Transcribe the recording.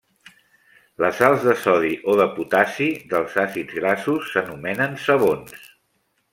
Les sals de sodi o de potassi dels àcids grassos s'anomenen sabons.